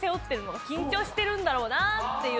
してるんだろうなっていう